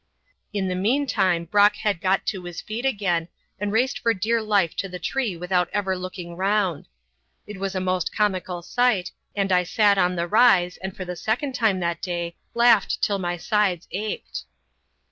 In the meantime Brock had got to his feet again, and raced for dear life to the tree without ever looking round. It was a most comical sight, and I sat on the rise and for the second time that day laughed till my sides ached.